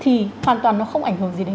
thì hoàn toàn nó không ảnh hưởng gì đấy